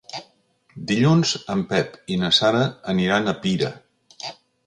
Dilluns en Pep i na Sara aniran a Pira.